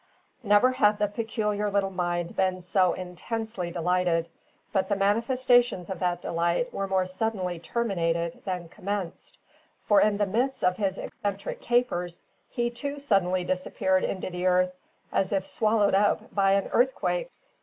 Never had his peculiar little mind been so intensely delighted; but the manifestations of that delight were more suddenly terminated than commenced; for in the midst of his eccentric capers he, too, suddenly disappeared into the earth as if swallowed up by an earthquake!